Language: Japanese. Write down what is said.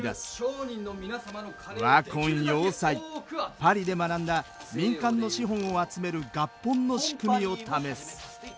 パリで学んだ民間の資本を集める合本の仕組みを試す。